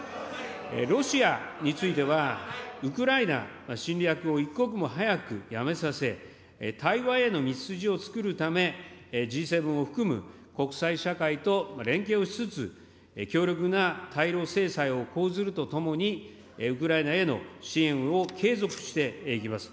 ロシアについては、ウクライナ侵略を一刻も早くやめさせ、対話への道筋を作るため、Ｇ７を含む国際社会と連携をしつつ、強力な対ロ制裁を講ずるとともに、ウクライナへの支援を継続していきます。